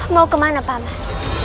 mau kemana paman